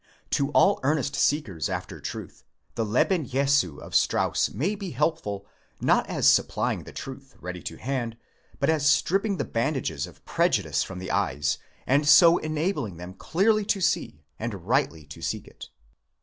To all earnest seekers after truth, the Leben Jesu of Strauss may be helpful, not as supplying the truth ready to hand, but as stripping the bandages of prejudice from the eyes, and so enabling them clearly to see and rightly to seek it.